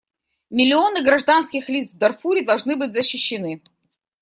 Миллионы гражданских лиц в Дарфуре должны быть защищены.